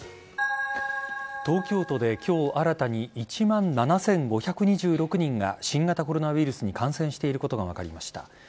東京都で今日新たに１万７５２６人が新型コロナウイルスに感染していることが分かりました。